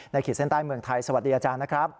ขีดเส้นใต้เมืองไทยสวัสดีอาจารย์นะครับ